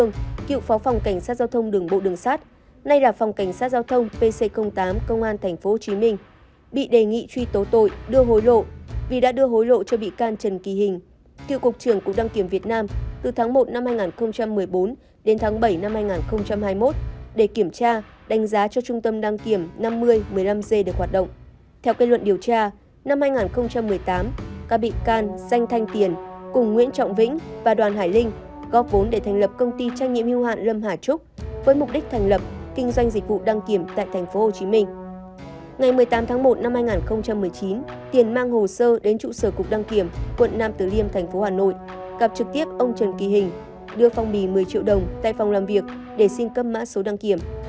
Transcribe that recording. ngày một mươi tám tháng một năm hai nghìn một mươi chín tiền mang hồ sơ đến trụ sở cục đăng kiểm quận nam tử liêm tp hà nội gặp trực tiếp ông trần kỳ hình đưa phong bì một mươi triệu đồng tại phòng làm việc để xin cấp mã số đăng kiểm